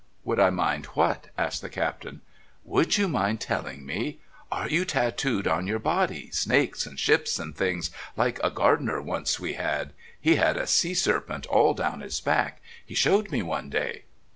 "Would I mind what?" asked the Captain. "Would you mind telling me? Are you tatooed on your body, snakes and ships and things, like a gardener once we had? He had a sea serpent all down his back. He showed me one day."